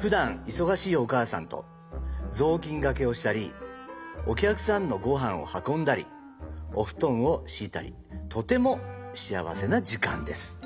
ふだんいそがしいおかあさんとぞうきんがけをしたりおきゃくさんのごはんをはこんだりおふとんをしいたりとてもしあわせなじかんです」。